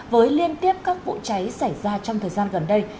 với liên tiếp các vụ cháy xảy ra trong thời gian gần đây